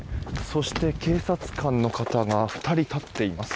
そして、警察官の方が２人立っています。